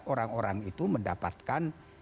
orang orang itu mendapatkan